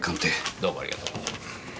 どうもありがとう。